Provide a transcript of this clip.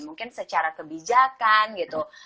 mungkin secara kebijakan gitu